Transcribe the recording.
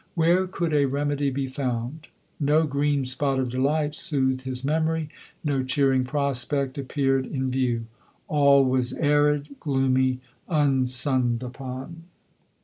Where could a remedy be found ? No " green spot'' of delight soothed his memory ; no cheering prospect appeared in view ; all was arid, gloomy, unsunned upon.